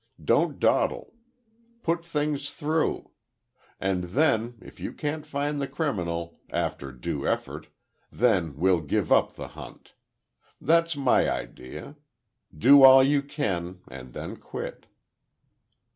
Don't dawdle. Put things through. And then—if you can't find the criminal, after due effort, then, we'll give up the hunt. That's my idea. Do all you can—and then quit."